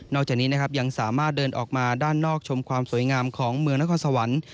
จากนี้นะครับยังสามารถเดินออกมาด้านนอกชมความสวยงามของเมืองนครสวรรค์